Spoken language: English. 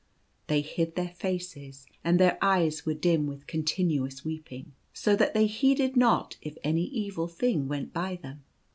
They hid their faces, and their eyes were dim with continuous weeping, so that they heeded not if any evil thing went by them.